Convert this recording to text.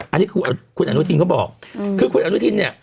อันนี้คือคุณอนุทินเขาบอกคือคุณอนุทินเนี่ย